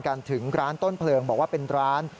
ถึงร้านต้นเพลิงบอกว่าเป็นร้าน